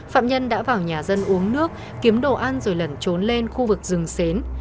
phạm nhân đã vào nhà dân uống nước kiếm đồ ăn rồi lẩn trốn lên khu vực rừng xến